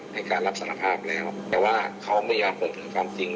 ให้การรับสารภาพแล้วแต่ว่าเขาไม่ยอมเปิดเผยความจริง